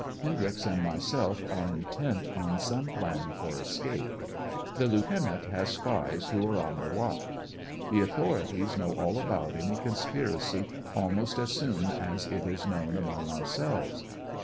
Hendryx and myself are intent on some plan for escape. The lieutenant has spies who are on the watch. The authorities know all about any conspiracy almost as soon as it is known among ourselves.